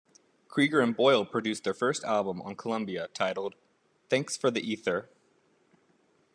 Creager and Boyle produced their first album on Columbia titled "Thanks for the Ether".